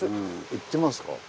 行ってみますか？